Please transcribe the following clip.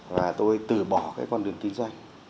và tôi từ bỏ cái con đường kinh doanh